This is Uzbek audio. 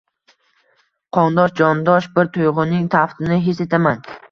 qondosh-jondosh bir tuygʻuning taftini his etaman.